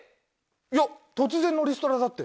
いや突然のリストラだって。